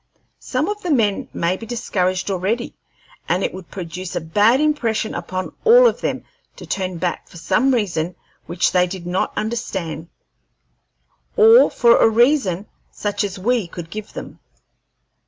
Some of the men may be discouraged already, and it would produce a bad impression upon all of them to turn back for some reason which they did not understand, or for a reason such as we could give them.